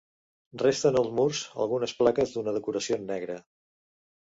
Resten als murs algunes plaques d'una decoració negra.